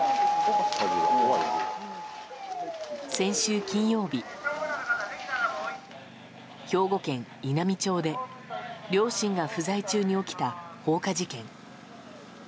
先週金曜日、兵庫県稲美町で両親が不在中に起きた放火事件。